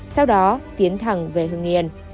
sau đó tiến thẳng về hương yên